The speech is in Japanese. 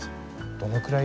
どのくらい？